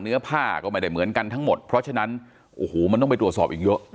เนื้อผ้าก็ไม่ได้เหมือนกันทั้งหมดเพราะฉะนั้นโอ้โหมันต้องไปตรวจสอบอีกเยอะ